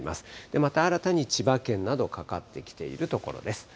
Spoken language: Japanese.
また新たに千葉県など、かかってきているところです。